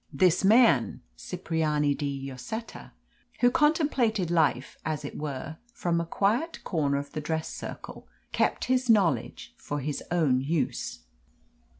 This man, Cipriani de Lloseta, who contemplated life, as it were, from a quiet corner of the dress circle, kept his knowledge for his own use.